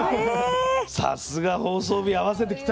さすが放送日合わせてきた。